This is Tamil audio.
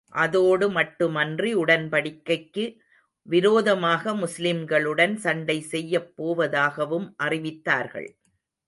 அதோடு மட்டுமன்றி, உடன்படிக்கைக்கு விரோதமாக முஸ்லிம்களுடன் சண்டை செய்யப் போவதாகவும் அறிவித்தார்கள்.